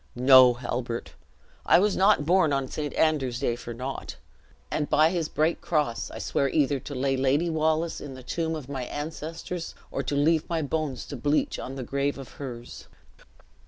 No, Halbert! I was not born on St. Andrew's day for naught; and by his bright cross I swear either to lay Lady Wallace in the tomb of my ancestors, or leave my bones to bleach on the grave of hers."